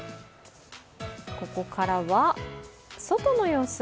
ここからは外の様子。